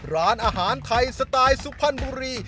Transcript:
ร้านอาหารไทยสไตล์สุพรรณบุรี